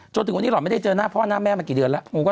จนถึงวันนี้สดท้ายเราไม่ได้เจอพ่อและแม่มากี่เดือนแล้วก็